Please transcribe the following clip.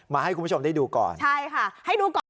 ให้คุณผู้ชมได้ดูก่อนใช่ค่ะให้ดูก่อน